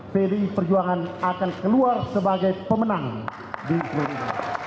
pdi perjuangan akan keluar sebagai pemenang di dki perjuangan